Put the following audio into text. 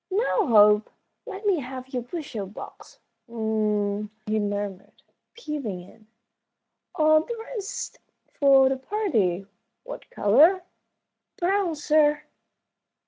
"Now, Hope, let me have your bushel box. H'm," he murmured, peeping in, "all dressed for the party. What color?" "Brown, sir."